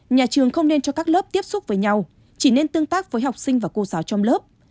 nhà trường không nên cho các lớp tiếp xúc với nhau chỉ nên tương tác với học sinh và cô giáo trong lớp